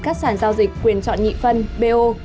các sản giao dịch quyền chọn nhị phân bo